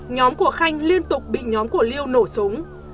nhóm của khanh liên tục bị nhóm của liêu nổ súng